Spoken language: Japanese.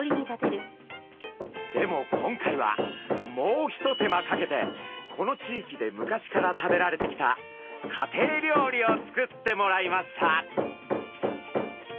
でも今回はもう一手間かけてこの地域で昔から食べられてきた家庭料理を作ってもらいました。